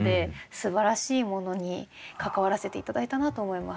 すばらしいものに関わらせて頂いたなと思います。